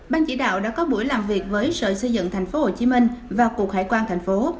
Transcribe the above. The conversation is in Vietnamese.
ban chỉ đạo đã có buổi làm việc với sở xây dựng tp hcm và cục hải quan tp